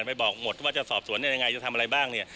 ไปบอกหมดว่าจะสอบสวนเนี่ยยังไงจะทำอะไรบ้างเนี่ย